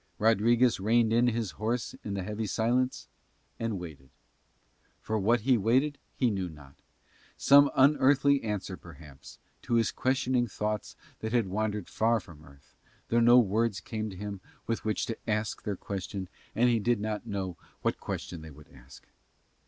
Rodriguez reined in his horse in the heavy silence and waited. For what he waited he knew not: some unearthly answer perhaps to his questioning thoughts that had wandered far from earth, though no words came to him with which to ask their question and he did not know what question they would ask.